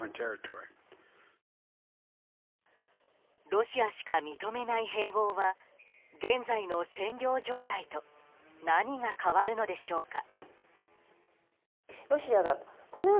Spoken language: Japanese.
ロシアしか認めない併合は現在の占領状態と何が変わるのでしょうか。